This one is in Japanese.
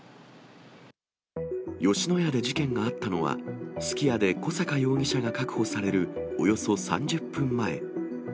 吉野家で事件があったのは、すき家で小阪容疑者が確保されるおよそ３０分前。